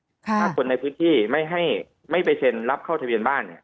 ถ้าคนในพื้นที่ไม่ให้ไม่ไปเซ็นรับเข้าทะเบียนบ้านเนี่ย